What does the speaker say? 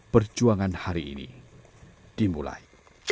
perjuangan hari ini dimulai